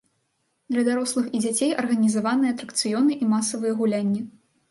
Для дарослых і дзяцей арганізаваныя атракцыёны і масавыя гулянні.